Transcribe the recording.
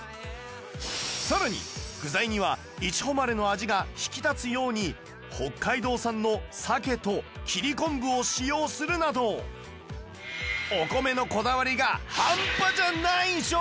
更に具材にはいちほまれの味が引き立つように北海道産の鮭と切昆布を使用するなどお米のこだわりが半端じゃない商品！